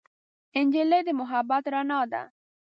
نجلۍ د محبت رڼا ده.